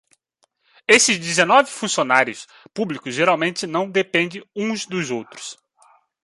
Esses dezenove funcionários públicos geralmente não dependem uns dos outros.